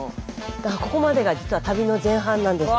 ここまでが実は旅の前半なんですが。